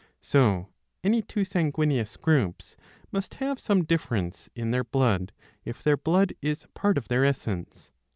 So any two sanguineous groups must have some difference in their blood, if their blood is part of their essence.)